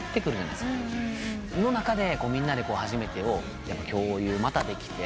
その中でみんなで初めてを共有またできて。